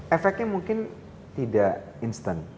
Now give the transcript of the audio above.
efeknya mungkin tidak instant